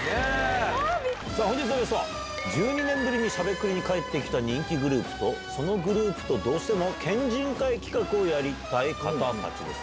本日のゲストは、１２年ぶりにしゃべくりに帰ってきた人気グループと、そのグループとどうしても県人会企画をやりたい方たちです。